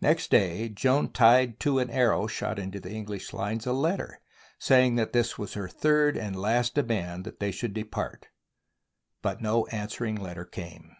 Next day Joan tied to an arrow shot into the English lines a letter saying this was her third and last demand that they should depart; but no answering letter came.